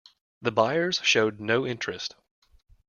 The buyers showed no interest.